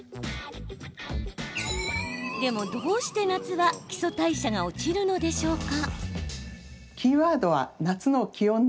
でも、どうして夏は基礎代謝が落ちるのでしょうか。